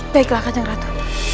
baiklah kak jenggatu